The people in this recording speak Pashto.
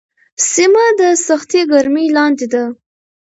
سیمه د سختې ګرمۍ لاندې ده.